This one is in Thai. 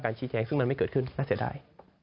ชี้แจงซึ่งมันไม่เกิดขึ้นน่าเสียดาย